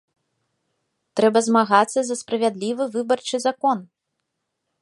Трэба змагацца за справядлівы выбарчы закон!